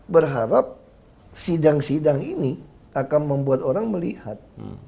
berharap sidang sidang ini akan membuat orang melihat